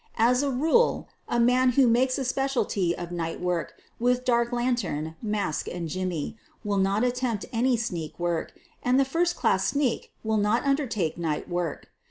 As a rule, a man who makes a specialty of night work, with dark lantern, mask, and jimmy, will not attempt any sneak work, and the first class sneak will not undertake night work.